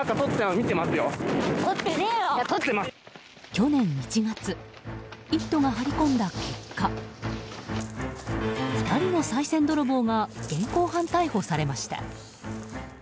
去年１月「イット！」が張り込んだ結果２人のさい銭泥棒が現行犯逮捕されました。